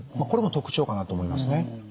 これも特徴かなと思いますね。